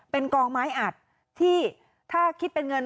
เป็นกองไม้อัดที่ถ้าคิดเป็นเงิน